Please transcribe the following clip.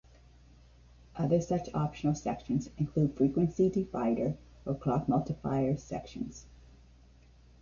Other such optional sections include frequency divider or clock multiplier sections.